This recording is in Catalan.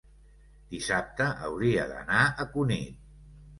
dissabte hauria d'anar a Cunit.